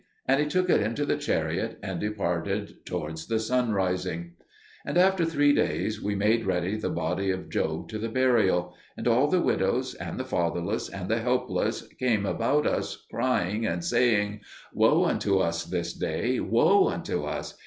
And He took it into the chariot and departed towards the sunrising. And after three days we made ready the body of Job to the burial; and all the widows, and the fatherless, and the helpless came about us, crying and saying, "Woe unto us this day, woe unto us!